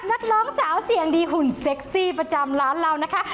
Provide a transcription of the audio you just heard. นักร้องสาวเสียงดีหุ่นเซ็กซี่ประจำร้านเรานะคะ